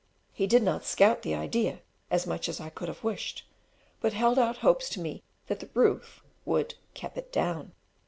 He did not scout the idea as much as I could have wished, but held out hopes to me that the roof would "kep it down."